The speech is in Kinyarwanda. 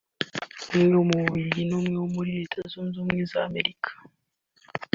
uwo mu Bubiligi n’umwe wo muri Leta Zunze Ubumwe z’Amerika